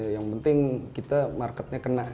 yang penting kita marketnya kena